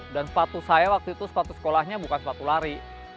dan sepatu saya waktu itu sepatu sekolahnya bukan sepatu lari